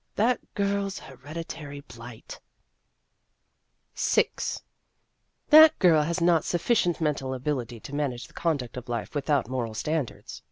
That girl's hereditary blight ! VI That girl has not sufficient mental abil ity to manage the conduct of life without moral standards.